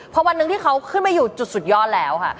พอวันหนึ่งที่เขาขึ้นมาอยู่จุดสุดยอดแล้วค่ะ